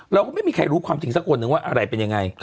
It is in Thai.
เราก็ไม่มีใครรู้ความสิ่งสักกว่าอะไรเป็นยังไง